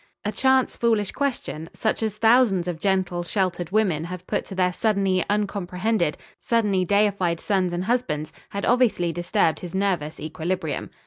A chance foolish question, such as thousands of gentle, sheltered women have put to their suddenly uncomprehended, suddenly deified sons and husbands, had obviously disturbed his nervous equilibrium.